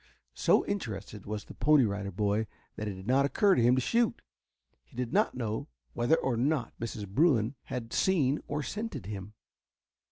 So interested was the Pony Rider Boy that it did not occur to him to shoot. He did not know whether or not Mrs. Bruin had seen or scented him.